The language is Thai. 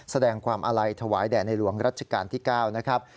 แสดงความอาลัยถวายแด่ในหลวงรัชกาลที่๙นะครับ